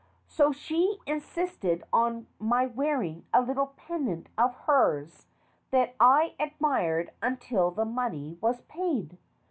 So she insisted on my wearing a little pendant of hers that I admired until the money was paid."